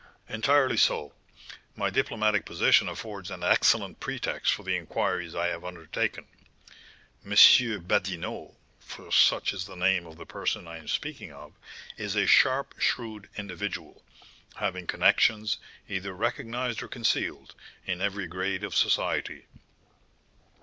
"Entirely so. My diplomatic position affords an excellent pretext for the inquiries I have undertaken. M. Badinot (for such is the name of the person I am speaking of) is a sharp, shrewd individual, having connections, either recognised or concealed, in every grade of society.